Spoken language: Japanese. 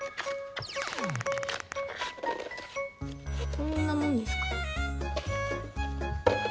こんなもんですか。